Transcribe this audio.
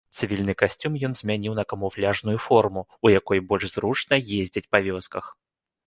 Цывільны касцюм ён змяніў на камуфляжную форму, у якой больш зручна ездзіць па вёсках.